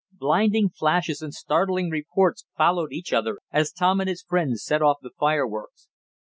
Blinding flashes and startling reports followed each other as Tom and his friends set off the fireworks.